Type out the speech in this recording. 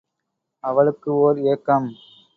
அவளுக்கு ஓர் ஏக்கம்.